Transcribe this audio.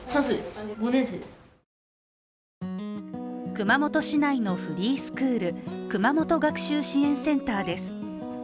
熊本市内のフリースクール、熊本学習支援センターです。